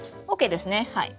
ＯＫですねはい。